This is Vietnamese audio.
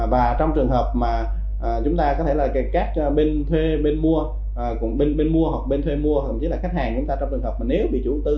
và trong trường hợp mà chúng ta có thể là các bên thuê bên mua bên mua hoặc bên thuê mua hoặc một chút là khách hàng chúng ta trong trường hợp mà nếu bị chủ tư